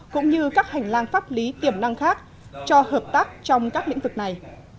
cũng như các hành lang pháp lý tiềm năng khác cho hợp tác trong các lĩnh vực này